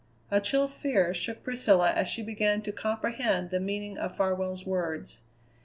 A chill fear shook Priscilla as she began to comprehend the meaning of Farwell's words.